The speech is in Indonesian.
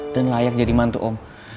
dan layak jadi mantu om